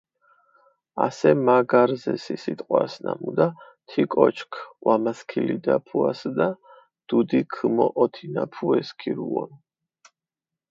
ასე მა გარზე სი სიტყვას, ნამუდა თი კოჩქ ვამასქილიდაფუასჷდა, დუდი გჷმოჸოთინაფუე სქირუონ.